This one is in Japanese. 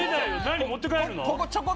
何持って帰るの？